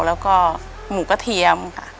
แล้วก็หมูกระเทียมค่ะ